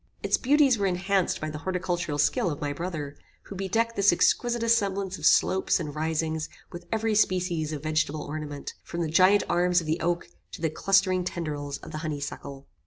Its beauties were enhanced by the horticultural skill of my brother, who bedecked this exquisite assemblage of slopes and risings with every species of vegetable ornament, from the giant arms of the oak to the clustering tendrils of the honey suckle.